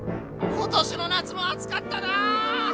今年の夏も暑かったな。